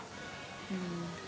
うん。